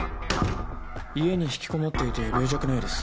家に引きこもっていて病弱なようです。